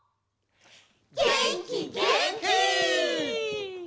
げんきげんき！